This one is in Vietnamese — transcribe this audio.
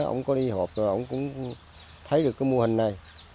ông có đi họp rồi ông cũng thấy được cái mô hình này